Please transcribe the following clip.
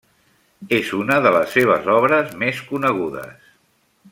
És una de les seves obres més conegudes.